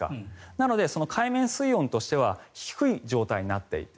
なので、海面水温としては低い状態になっていて。